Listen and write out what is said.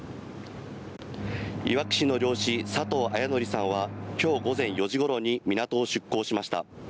いわき市の漁師、佐藤文紀さんはきょう午前４時ごろに湊を出港しました。